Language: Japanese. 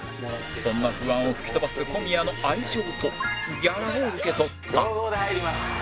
そんな不安を吹き飛ばす小宮の愛情とギャラを受け取った